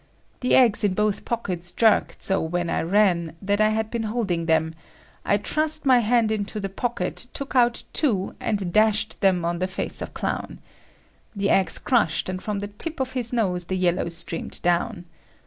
The eggs in both pockets jerked so when I ran, that I had been holding them. I thrust my hand into the pocket, took out two and dashed them on the face of Clown. The eggs crushed, and from the tip of his nose the yellow streamed down.